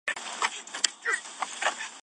粉丝名为甜酒。